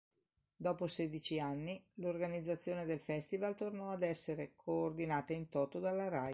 Dopo sedici anni, l'organizzazione del Festival tornò ad essere coordinata "in toto" dalla Rai.